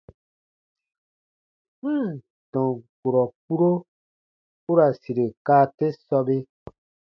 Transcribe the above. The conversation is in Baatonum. N ǹ tɔn kurɔ kpuro u ra sire kaa te sɔbe.